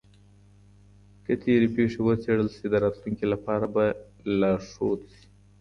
که تېري پېښې وڅېړل سي د راتلونکي لپاره به لارښود سي.